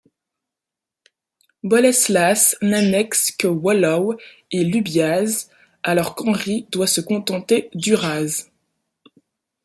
Boleslas n’annexe que Wołów et Lubiąż, alors qu’Henri doit se contenter d’Uraz.